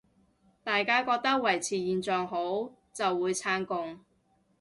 大家覺得維持現狀好，就會撐共